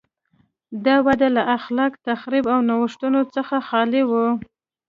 دا وده له خلاق تخریب او نوښتونو څخه خالي وه.